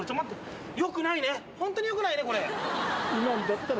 ほんとによくないねこれ。